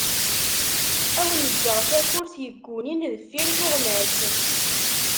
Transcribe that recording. Ad awen-ğğeγ takurt yeggunin deffir tuγmas.